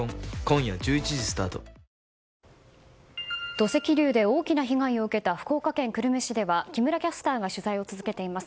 土石流で大きな被害を受けた福岡県久留米市では木村キャスターが取材を続けています。